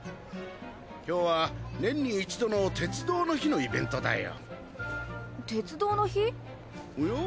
今日は年に一度の鉄道の日のイベントだよ。